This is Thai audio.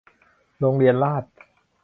โรงเรียนราษฎร์